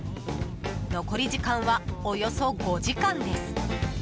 残り時間は、およそ５時間です。